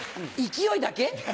勢いだけ？